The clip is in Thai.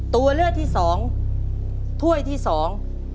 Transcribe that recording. ตัวเลือกที่สองถ้วยที่สอง